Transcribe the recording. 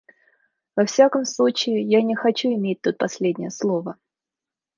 Во всяком случае, я не хочу иметь тут последнее слово.